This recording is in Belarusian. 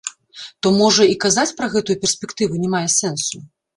То можа і казаць пра гэтую перспектыву не мае сэнсу?